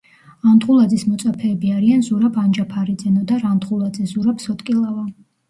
ანდღულაძის მოწაფეები არიან ზურაბ ანჯაფარიძე, ნოდარ ანდღულაძე, ზურაბ სოტკილავა.